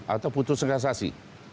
atau putusan kasasi